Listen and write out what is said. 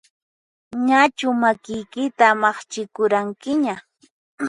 Ñachu makiykita maqchikuranqiña?